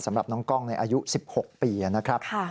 สำหรับน้องกล้องในอายุ๑๖ปีนะครับ